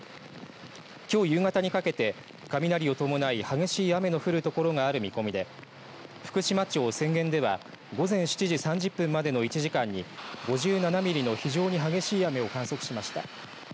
きょう夕方にかけて雷を伴い激しい雨の降る所がある見込みで福島町千軒では午前７時３０分までの１時間に５７ミリの非常に激しい雨を観測しました。